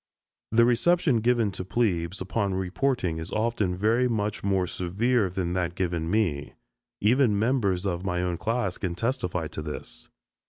The reception given to "plebes" upon reporting is often very much more severe than that given me. Even members of my own class can testify to this.